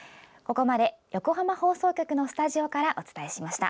ここまで横浜放送局のスタジオからお伝えしました。